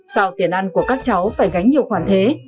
sao tiền ăn của các cháu phải gánh nhiều khoản thế